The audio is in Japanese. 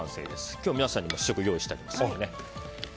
今日は皆さんに試食を用意してあります。